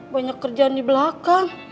banyak kerjaan di belakang